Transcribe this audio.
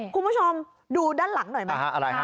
คุณผู้ชมดูด้านหลังหน่อยไหม